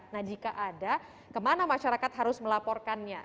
nah jika ada kemana masyarakat harus melaporkannya